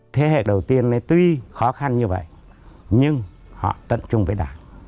thế hệ đầu tiên tuy khó khăn như vậy nhưng họ tận chung với đảng